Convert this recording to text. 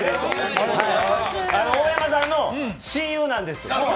大山さんの親友なんです。